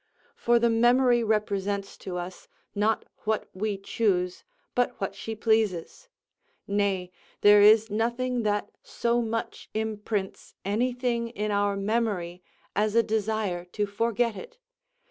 For the memory represents to us not what we choose, but what she pleases; nay, there is nothing that so much imprints any thing in our memory as a desire to forget it.